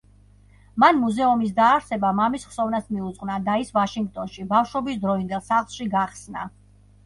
მან მუზეუმის დაარსება მამის ხსოვნას მიუძღვნა და ის ვაშინგტონში, ბავშვობისდროინდელ სახლში გახსნა.